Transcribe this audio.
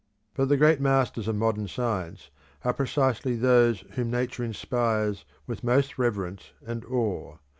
But the great masters of modern science are precisely those whom Nature inspires with most reverence and awe.